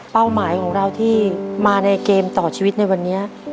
หมายของเราที่มาในเกมต่อชีวิตในวันนี้